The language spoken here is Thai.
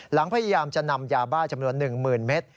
หลังพยายามจะนำยาบ้าจำนวนหนึ่งหมื่นเมตร